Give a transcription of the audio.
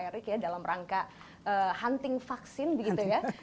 saya berpikir pikir dalam rangka hunting vaksin begitu ya